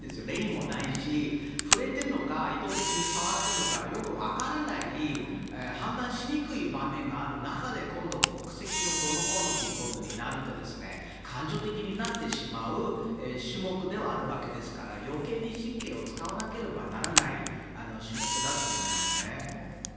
レーンもないし、触れてるのか意図的に触っているのかよくわからない判断しにくい場面がある中で今度、国籍のどうのこうのってことになると感情的になってしまう種目ではあるわけですから余計に神経を使わなければならない種目だと思いますね。